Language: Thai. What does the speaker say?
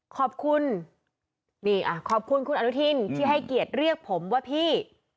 ขอบคุณคุณอนุทีนที่ให้เกียรติเลือกผมว่าพี่